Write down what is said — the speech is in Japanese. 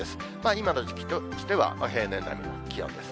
今の時期としては平年並みの気温です。